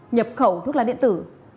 nhập khẩu thuốc lá điện tử